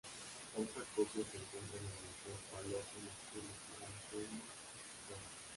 Otra copia se encuentra en el Museo Palazzo Massimo Alle Terme, Roma.